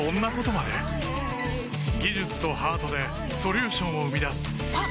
技術とハートでソリューションを生み出すあっ！